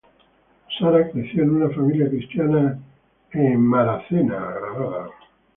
Sara creció en una familia cristiana en Springfield, Missouri.